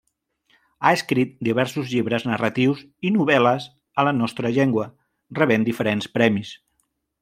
Ha escrit diversos llibres narratius i novel·les a la nostra llengua, rebent diferents premis.